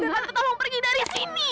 karena tolong pergi dari sini